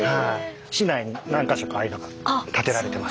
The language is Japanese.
市内に何か所かああいうのが立てられてます。